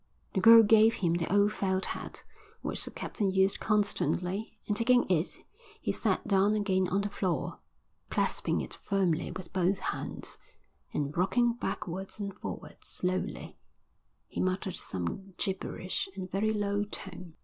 The girl gave him the old felt hat which the captain used constantly and taking it he sat down again on the floor, clasping it firmly with both hands; and rocking backwards and forwards slowly he muttered some gibberish in a very low tone.